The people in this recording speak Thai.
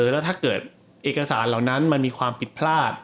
แล้วถ้าเกิดเอกสารเหล่านั้นมันมีความผิดพลาด